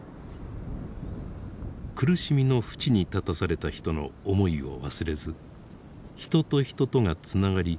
苦しみのふちに立たされた人の思いを忘れず人と人とがつながり